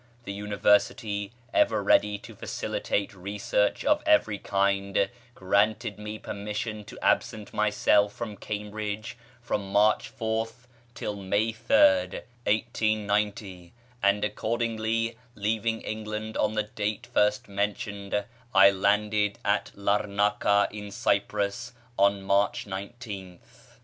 The University, ever ready to facilitate research of every kind, granted me permission to absent myself from Cambridge from March 4th till May 3rd, 1890, and accordingly, [page xxii] leaving England on the date first mentioned, I landed at Larnaca in Cyprus on March 19th.